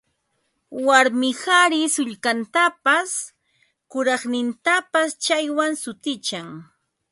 Warmi qari sullkantapas kuraqnintapas chaywan sutichan